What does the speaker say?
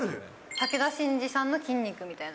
武田真治さんの筋肉みたいな。